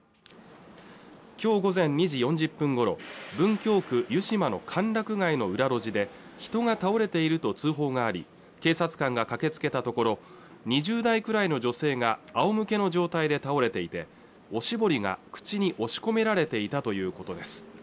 今日午前２時４０分ごろ文京区湯島の歓楽街の裏路地で人が倒れていると通報があり警察官が駆けつけたところ２０代くらいの女性があおむけの状態で倒れていておしぼりが口に押し込められていたということです